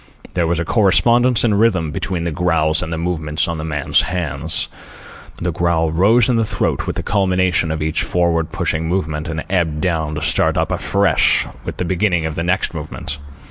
There was a correspondence in rhythm between the growls and the movements of the man's hands. The growl rose in the throat with the culmination of each forward pushing movement, and ebbed down to start up afresh with the beginning of the next movement.